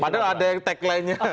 padahal ada yang tagline nya